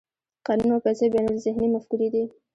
قانون او پیسې بینالذهني مفکورې دي.